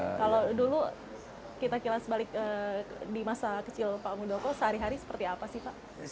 kalau dulu kita kilas balik di masa kecil pak muldoko sehari hari seperti apa sih pak